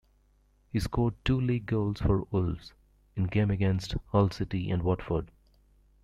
He scored two league goals for Wolves, in games against Hull City and Watford.